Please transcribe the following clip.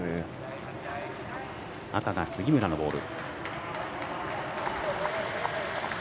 赤が杉村のボール。